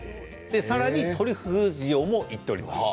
さらに、トリュフ塩もいっております。